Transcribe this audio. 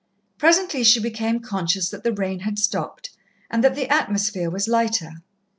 Presently she became conscious that the rain had stopped, and that the atmosphere was lighter.